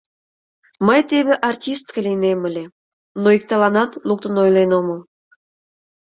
Мый теве артистка лийнем ыле, но иктыланат луктын ойлен омыл.